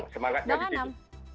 semangatnya di sini